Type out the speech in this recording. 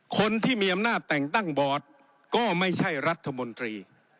คนที่มีอำนาจแต่งตั้งบอร์ดก็ไม่ใช่รัฐมนตรี